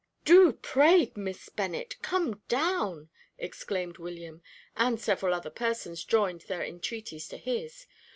"Do, pray, Miss Bennet, come down!" exclaimed William, and several other persons joined their entreaties to his.